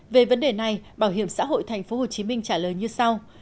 về vấn đề này bảo hiểm xã hội tp hcm trả lời như sau